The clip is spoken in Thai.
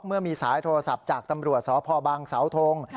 เมื่อมีสายโทรศัพท์จากตำรวจสพบางสาวทง